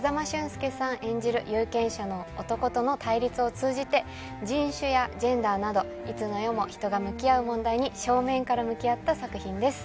有権者の男との対立を通じて人種やジェンダーなどいつの世も人が向き合う問題に正面から向き合った作品です